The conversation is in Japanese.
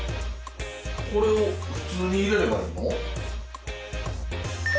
これを普通に入れればええの？